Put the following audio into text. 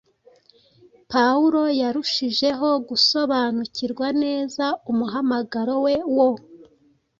Pawulo yarushijeho gusobanukirwa neza umuhamagaro we wo